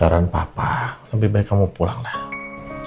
saran papa lebih baik kamu pulanglah